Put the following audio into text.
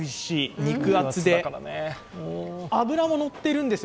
肉厚で、脂も乗ってるんですよ。